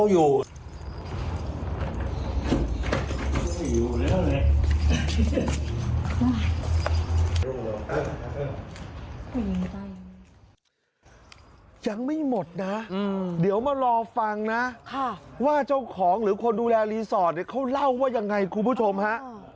ยังไม่หมดนะเดี๋ยวมารอฟังนะว่าเจ้าของหรือคนดูแลรีสอร์ทเขาเล่าว่ายังไงคุณผู้ชมฮะ